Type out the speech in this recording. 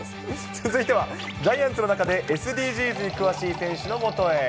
続いては、ジャイアンツの中で、ＳＤＧｓに詳しい選手のもとへ。